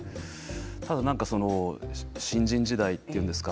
ただ新人時代というんですか。